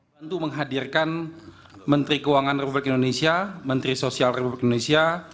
bantu menghadirkan menteri keuangan republik indonesia menteri sosial republik indonesia